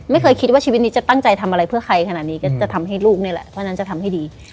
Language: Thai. ไม่เคยคิดว่าชีวิตนี้จะตั้งใจทำอะไรเพื่อใครขนาดนี้ก็จะทำให้ลูกนี่แหละเพราะฉะนั้นจะทำให้ดี